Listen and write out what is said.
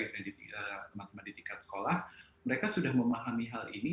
karena teman teman di tingkat sekolah mereka sudah memahami hal ini